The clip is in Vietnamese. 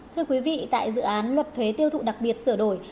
thưa quý vị tại dự án luật thuế tiêu thụ đặc biệt sửa đổi